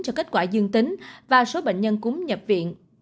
cho kết quả dương tính và số bệnh nhân cúm nhập viện